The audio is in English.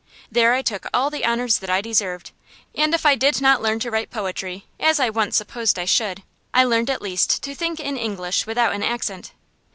There I took all the honors that I deserved; and if I did not learn to write poetry, as I once supposed I should, I learned at least to think in English without an accent.